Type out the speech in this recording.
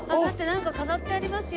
なんか飾ってありますよ。